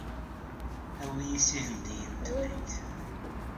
Awey-iyi s Ihendiyen n Temrikt.